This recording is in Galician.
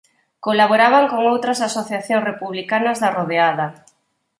Colaboraban con outras asociacións republicanas da rodeada.